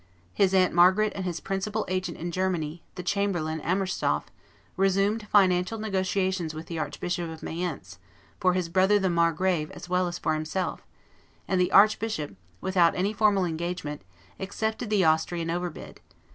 His aunt Margaret and his principal agent in Germany, the Chamberlain Armerstoff, resumed financial negotiations with the Archbishop of Mayence, for his brother the margrave as well as for himself, and the archbishop, without any formal engagement, accepted the Austrian over bid.